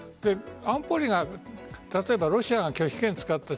安保理が例えばロシアが拒否権を使った。